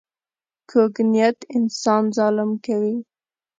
کوږ نیت انسان ظالم کوي